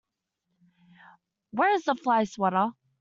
Where is the fly swatter?